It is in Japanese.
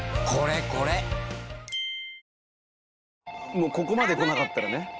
もうここまで来なかったらね